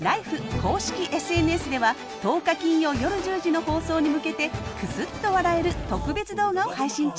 公式ＳＮＳでは１０日金曜夜１０時の放送に向けてくすっと笑える特別動画を配信中。